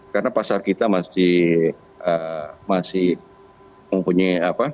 karena pasar kita masih mempunyai